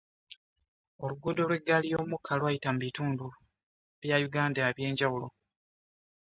Oluguudo lw'eggaali y'omukka lwayita mu bitundu bya uganda eby'enjawulo.